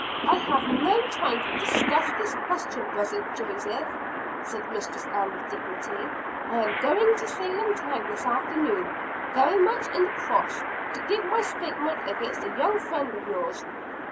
"I have no time to discuss this question, brother Joseph," said Mistress Ann with dignity. "I am going to Salem town this afternoon, very much in the cross, to give my testimony against a young friend of yours.